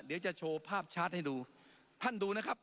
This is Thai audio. เดี๋ยวจะโชว์ภาพชาร์จให้ดูท่านดูนะครับ